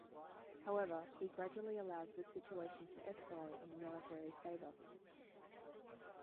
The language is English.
However, he gradually allows the situation to escalate in the military's favor.